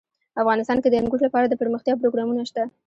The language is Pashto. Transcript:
افغانستان کې د انګور لپاره دپرمختیا پروګرامونه شته.